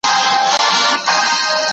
زه به واښه راوړلي وي!؟